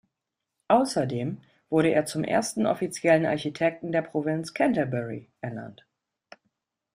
Außerdem wurde er zum ersten offiziellen Architekten der Provinz Canterbury ernannt.